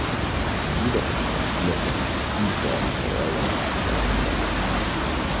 Budapesten született izraelita vallású családban.